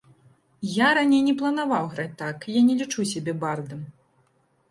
Я раней не планаваў граць так, я не лічу сябе бардам.